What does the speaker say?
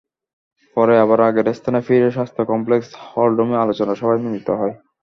পরে আবার আগের স্থানে ফিরে স্বাস্থ্য কমপ্লেক্স হলরুমে আলোচনা সভায় মিলিত হয়।